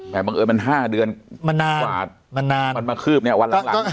แบบบังเอิญมันห้าเดือนมันนานมันนานมันมาคืบเนี้ยวันหลังหลัง